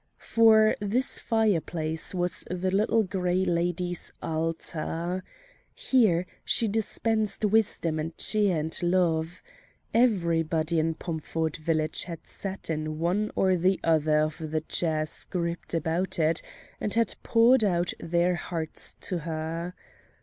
For this fireplace was the Little Gray Lady's altar. Here she dispensed wisdom and cheer and love. Everybody in Pomford village had sat in one or the other of the chairs grouped about it and had poured out their hearts to her.